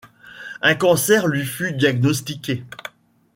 Un cancer lui fut diagnostiqué.